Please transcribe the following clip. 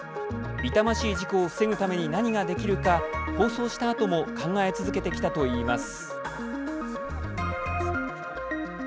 痛ましい事故を防ぐために何ができるか放送したあとも考え続けてきたといいます。